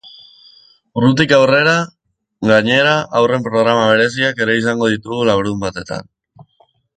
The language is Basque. Urritik aurrera, gainera, haurren programa bereziak ere izango ditugu larunbatetan.